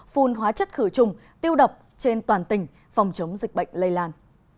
phun hóa chất khử trùng tiêu độc trên toàn tỉnh phòng chống dịch bệnh lây lan